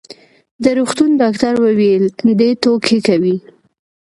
د روغتون ډاکټر وویل: دی ټوکې کوي.